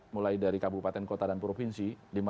mulai dari kabupaten kota dan provinsi